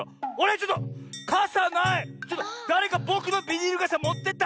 ちょっとだれかぼくのビニールがさもってった！